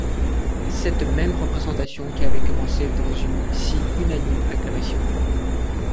Cette même représentation qui avait commencé dans une si unanime acclamation!